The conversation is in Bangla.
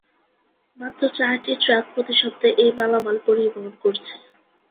মাত্র চারটি ট্রাক প্রতি সপ্তাহে এই মালামাল পরিবহণ করছে।